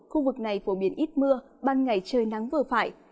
khu vực này phổ biến ít mưa ban ngày trời nắng vừa phải